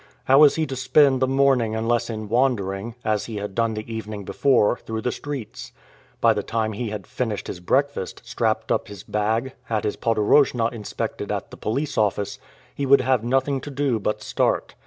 How was he to spend the morning unless in wandering, as he had done the evening before, through the streets? By the time he had finished his breakfast, strapped up his bag, had his podorojna inspected at the police office, he would have nothing to do but start.